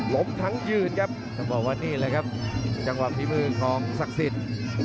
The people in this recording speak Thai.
ล้มทั้งยืนครับต้องบอกว่านี่แหละครับจังหวะฝีมือของศักดิ์สิทธิ์